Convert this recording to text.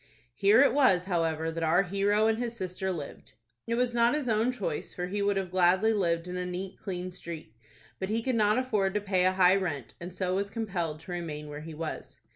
Here it was, however, that our hero and his sister lived. It was not his own choice, for he would have gladly lived in a neat, clean street; but he could not afford to pay a high rent, and so was compelled to remain where he was.